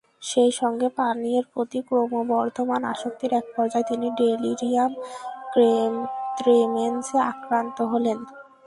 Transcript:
সেই সঙ্গে পানীয়ের প্রতি ক্রমবর্ধমান আসক্তির একপর্যায়ে তিনি ডেলিরিয়াম ত্রেমেন্সে আক্রান্ত হলেন।